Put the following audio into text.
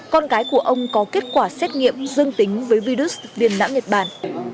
con gái của ông có kết quả xét nghiệm dương tính với virus viêm não nhật bản